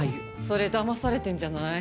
それだまされてんじゃない？